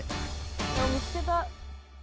見つけた。